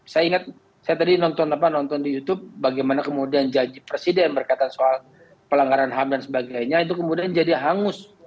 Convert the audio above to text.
saya ingat saya tadi nonton apa nonton di youtube bagaimana kemudian janji presiden berkaitan soal pelanggaran ham dan sebagainya itu kemudian jadi hangus